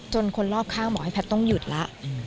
คนรอบข้างบอกให้แพทย์ต้องหยุดแล้ว